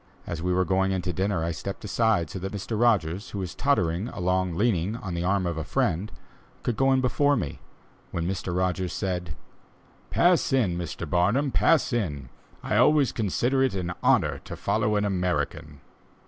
As we were going in to dinner, I stepped aside, so that Mr. Rogers who was tottering along leaning on the arm of a friend, could go in before me, when Mr. Rogers said: "Pass in, Mr. Barnum, pass in; I always consider it an honor to follow an American."